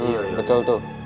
iya betul tuh